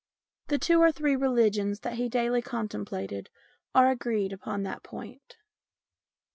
The two or three religions that he daily contemplated are agreed upon that point.